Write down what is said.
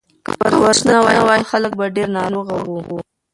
که ورزش نه وای نو خلک به ډېر ناروغه وو.